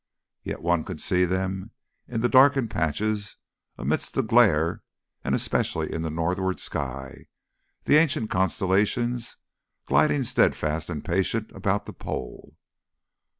Yet one could see them in the darkened patches amidst the glare, and especially in the northward sky, the ancient constellations gliding steadfast and patient about the pole.